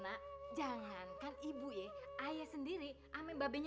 aduh bu kenapa bu begini bu